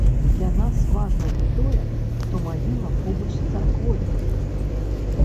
Для нас важна і тое, што магіла побач з царквой.